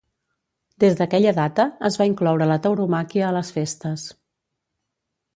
Des d"aquella data, es va incloure la tauromàquia a les festes.